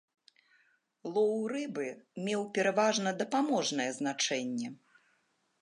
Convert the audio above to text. Лоў рыбы меў пераважна дапаможнае значэнне.